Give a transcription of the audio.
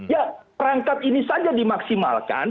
ya perangkat ini saja dimaksimalkan